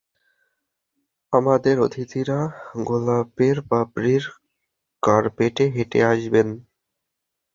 আমাদের অতিথিরা গোলাপের পাপরির, কার্পেটে হেঁটে আসবেন।